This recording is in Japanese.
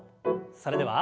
それでは１。